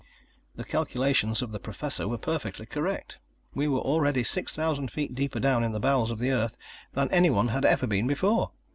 The calculations of the Professor were perfectly correct. We were already six thousand feet deeper down in the bowels of the earth than anyone had ever been before.